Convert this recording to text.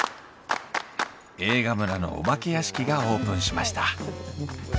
映画村のお化け屋敷がオープンしました。